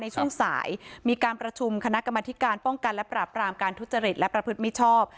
ในช่วงสายมีการประชุมคณะกรรมธิการป้องกันและปราบรามการทุจริตและประพฤติมิชชอบ